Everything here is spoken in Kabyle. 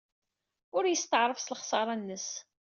Ur yesteɛṛef s lexṣara-nnes.